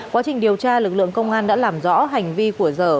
quá trình điều tra lực lượng công an đã làm rõ hành vi của dở